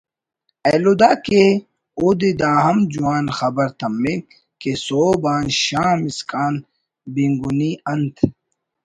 ایلو دا کہ اودے داہم جوان خبر تمک کہ سہب آن شام اسکان بینگنی انت